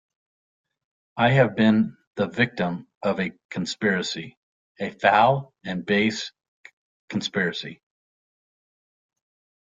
I have been the victim of a conspiracy — a foul and base conspiracy.